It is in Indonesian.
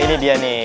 ini dia nih